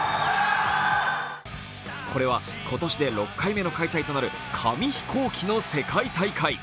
これは今年で６回目の開催となる紙飛行機の世界大会。